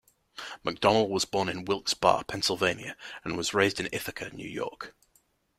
McDonnell was born in Wilkes-Barre, Pennsylvania, and was raised in Ithaca, New York.